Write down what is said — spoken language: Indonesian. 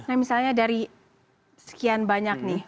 nah misalnya dari sekian banyak nih